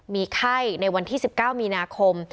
มีไข้ในวันที่๑๙มีนาคม